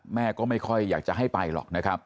แม่ก็ไม่ค่อยอยากจะให้ไปหรอกนะครับ